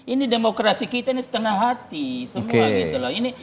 ini demokrasi kita ini setengah hati semua gitu loh